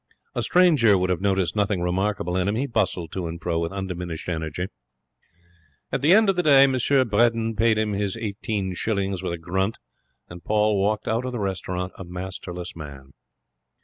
A stranger would have noticed nothing remarkable in him. He bustled to and fro with undiminished energy. At the end of the day M. Bredin paid him his eighteen shillings with a grunt, and Paul walked out of the restaurant a masterless man.